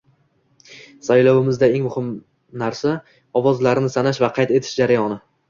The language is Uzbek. Saylovimizda eng muhim narsa - ovozlarni sanash va qayd etish jarayoni!